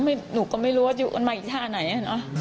กินนะกินได้แต่กินไม่กันเยอะ